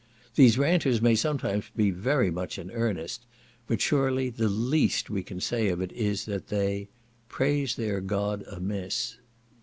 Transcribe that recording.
These ranters may sometimes be very much in earnest, but surely the least we can say of it is, that they "Praise their God amiss."